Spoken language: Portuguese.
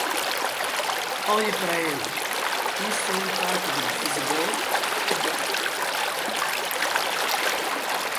Olhe para ele! Isso é um taco de beisebol?